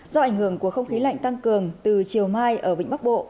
do ảnh hưởng của không khí lạnh tăng cường từ chiều mai ở vịnh bắc bộ